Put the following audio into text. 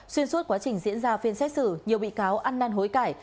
xuyên suốt quá trình diễn ra phiên xét xử nhiều bị cáo ăn năn hối cải